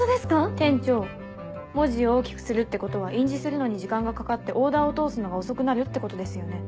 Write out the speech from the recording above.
店長文字を大きくするってことは印字するのに時間がかかってオーダーを通すのが遅くなるってことですよね。